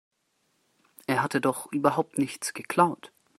Er hatte doch überhaupt nichts geklaut.